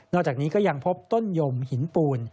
จากนี้ก็ยังพบต้นยมหินปูน